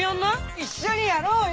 一緒にやろうよ。